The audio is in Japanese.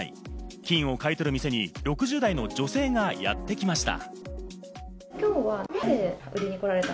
金を買い取る店に６０代の女性がやってきました。